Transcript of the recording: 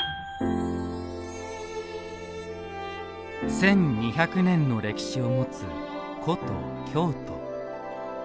１２００年の歴史を持つ古都・京都。